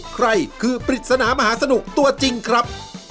ใครคือปริศนามหาสนุกตัวจริงครับ